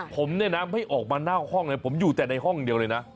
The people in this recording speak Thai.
ผมเนี่ยนะไม่ออกมาหน้าห้องเลยผมอยู่แต่ในห้องเดียวเลยนะ